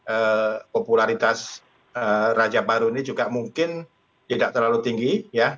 ee popularitas raja baru ini juga mungkin tidak terlalu tinggi ya